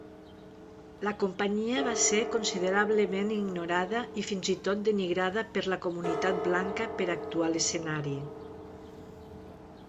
La companyia va ser considerablement ignorada i fins i tot denigrada per la comunitat blanca per actuar a l'escenari.